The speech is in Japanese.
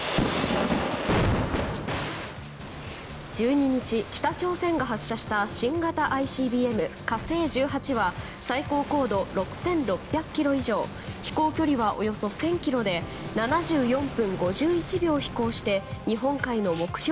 １２日、北朝鮮が発射した新型ＩＣＢＭ「火星１８」は最高高度６６００ｋｍ以上飛行距離はおよそ１０００ｋｍで７４分５１秒飛行して日本海の目標